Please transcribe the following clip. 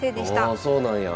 ああそうなんや。